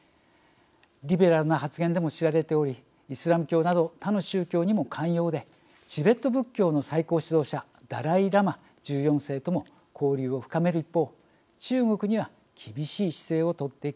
リベラルな発言でも知られておりイスラム教など他の宗教にも寛容でチベット仏教の最高指導者ダライ・ラマ１４世とも交流を深める一方中国には厳しい姿勢を取ってきました。